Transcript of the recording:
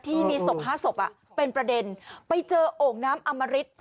ที่มีศพ๕ศพเป็นประเด็นไปเจอโอ่งน้ำอมริต